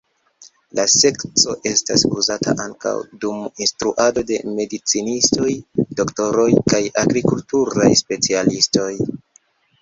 La sekco estas uzata ankaŭ dum instruado de medicinistoj, doktoroj kaj agrikulturaj specialistoj.